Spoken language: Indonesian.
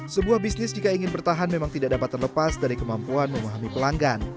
sebuah bisnis jika ingin bertahan memang tidak dapat terlepas dari kemampuan memahami pelanggan